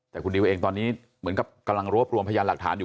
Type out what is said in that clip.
แต่คุณดิวเองตอนนี้เหมือนกับกำลังรวบรวมพยานหลักฐานอยู่